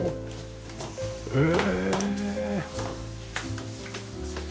へえ！